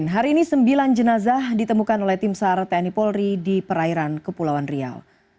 hari ini sembilan jenazah ditemukan oleh tim sar tni polri di perairan kepulauan riau